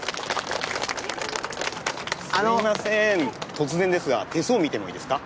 突然ですが『手相を見てもイイですか？』。